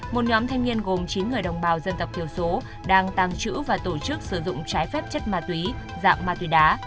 một nhóm thanh niên gồm chín người đồng bào dân tộc thiểu số đang tàng trữ và tổ chức sử dụng trái phép chất ma túy dạng ma túy đá